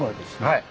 はい。